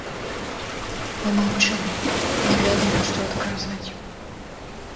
Мы маўчым, не ведаем, што адказваць.